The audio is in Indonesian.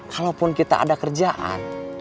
kalaupun kita ada kerjaan